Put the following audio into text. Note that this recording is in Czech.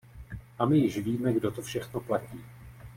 A my již víme, kdo to všechno platí.